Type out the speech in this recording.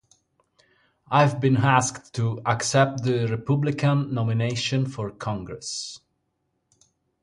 I have been asked to accept the Republican nomination for Congress.